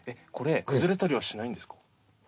これ崩れたりはしないんですか？